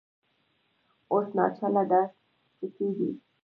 اوس ناچله دا سکې دي